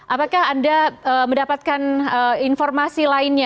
apakah anda mendapatkan informasi lainnya